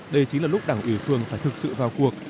đây chính là lúc đảng ủy phường phải thực sự vào cuộc